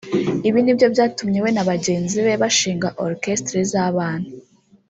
Ibi nibyo byatumye we na bagenzi be bashinga orchestres z’abana